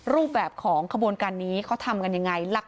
รูปแบบของขบวนการนี้เขาทำกันยังไง